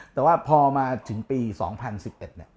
แต่ว่าพอมาถึงปี๒๐๑๑เนี่ย